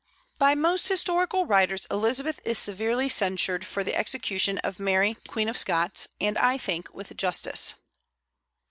By most historical writers Elizabeth is severely censured for the execution of Mary Queen of Scots, and I think with justice.